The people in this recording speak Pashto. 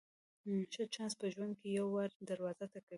ښه چانس په ژوند کې یو وار دروازه ټکوي.